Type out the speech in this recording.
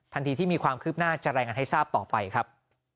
ทันทีที่มีความคืบหน้าจะรายงานให้ทราบต่อไปครับ